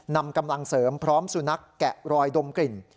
นำกำลังเสริมพร้อมสุนัขแกะรอยดมกลิ่น